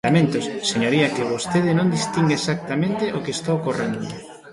Lamento, señoría, que vostede non distinga exactamente o que está ocorrendo.